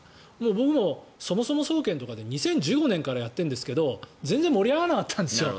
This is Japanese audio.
僕もそもそも総研とかで２０１５年からやっているんですけど全然盛り上がらなかったんです。